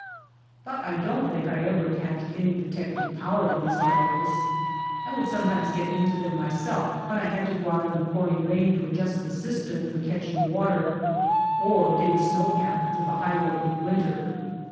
But I don't think J ever attached any protective power to these articles. I would sometimes get into them myself, when I had to go out in a pouring rain to adjust the cistern for catching water, or dig a snow path to the highway in winter.